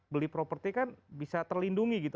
beli properti kan bisa terlindungi gitu